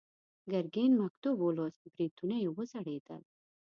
ګرګين مکتوب ولوست، برېتونه يې وځړېدل.